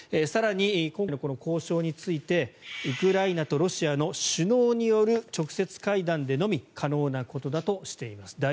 更に今回の交渉についてウクライナとロシアの首脳による直接会談でのみ可能なことだとしています。